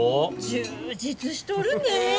充実しとるねえ。